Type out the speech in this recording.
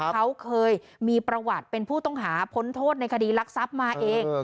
เขาเคยมีประวัติเป็นผู้ต้องหาพ้นโทษในคดีรักทรัพย์มาเอง